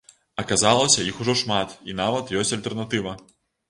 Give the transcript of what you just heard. Аказалася, іх ужо шмат, і нават ёсць альтэрнатыва.